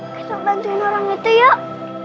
kita bantuin orang itu yuk